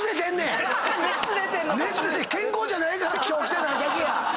熱出て健康じゃないから今日来てないだけや。